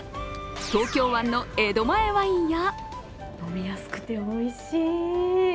東京湾の江戸前ワインや飲みやすくて、おいしい。